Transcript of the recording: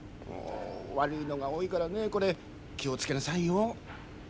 悪いのが多いからねこれ気を付けなさいよ。